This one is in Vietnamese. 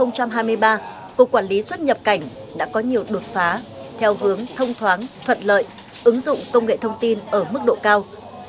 năm hai nghìn hai mươi ba cục quản lý xuất nhập cảnh đã có nhiều đột phá theo hướng thông thoáng thuận lợi ứng dụng công nghệ thông tin ở mức độ cao